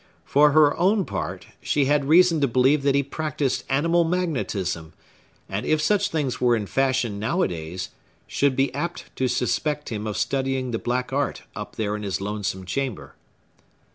For her own part, she had reason to believe that he practised animal magnetism, and, if such things were in fashion nowadays, should be apt to suspect him of studying the Black Art up there in his lonesome chamber.